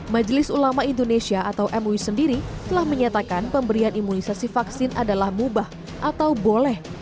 majelis ulama indonesia atau mui sendiri telah menyatakan pemberian imunisasi vaksin adalah mubah atau boleh